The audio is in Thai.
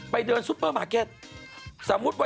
แล้วเลือกซื้อวัตถุดิบ